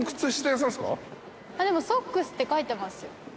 でもソックスって書いてますよ。